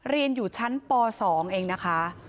เรียนอยู่ชั้นป๒เองนะคะ